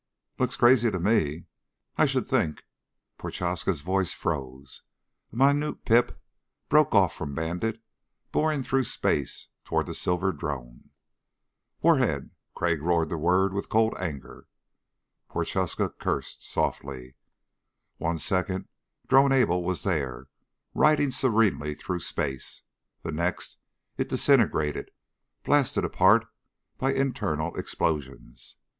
"Looks crazy to me. I should think " Prochaska's voice froze. A minute pip broke off from Bandit, boring through space toward the silver drone. "Warhead!" Crag roared the word with cold anger. Prochaska cursed softly. One second Drone Able was there, riding serenely through space. The next it disintegrated, blasted apart by internal explosions.